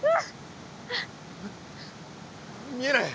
見えない。